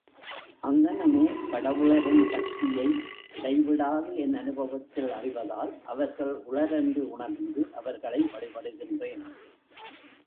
அங்ஙனமே கடவுளரின் சக்தியை இடைவிடாது என் அநுபவத்தில் அறிவதால் அவர்கள் உளர் என்று உணர்ந்து அவர்களை வழிபடுகின்றேன்.